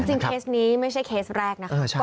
เคสนี้ไม่ใช่เคสแรกนะคะ